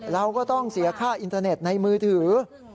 เราก็ต้องเสียค่าอินเทอร์เน็ตในมือถือ